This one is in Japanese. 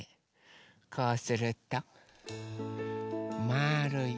こうするとまあるい